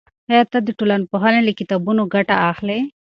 آیا ته د ټولنپوهنې له کتابونو ګټه اخلی؟